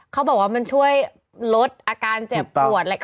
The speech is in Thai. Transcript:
เขาบอกว่ามันช่วยลดอาการเจ็บปวด